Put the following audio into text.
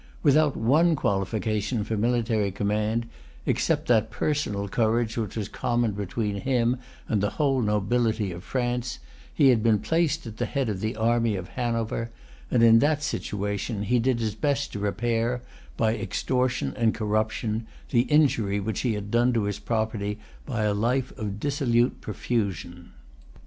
Without one qualification for military command, except that personal courage which was common between him and the whole nobility of France, he had been placed at the head of the army of Hanover; and in that situation he did his best to repair, by extortion and corruption, the injury which he had done to his property by a life of dissolute profusion.